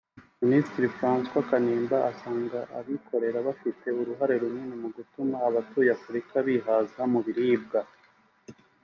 Minisitiri Francois Kanimba asanga abikorera bafite uruhare runini mu gutuma abatuye Afurika bihaza mu biribwa